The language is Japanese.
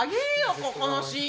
ここのシーン。